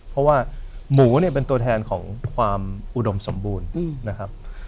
เพราะว่าหมูเนี่ยเป็นตัวแทนของความอุดมสมบูรณ์นะครับ